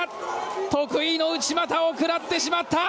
得意の内股を食らってしまった。